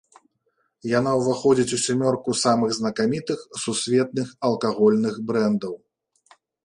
Яна ўваходзіць у сямёрку самых знакамітых сусветных алкагольных брэндаў.